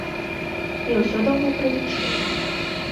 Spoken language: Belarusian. Я ўсё даўно пралічыў.